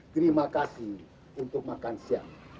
terima kasih untuk makan siang